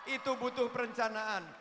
itu butuh perencanaan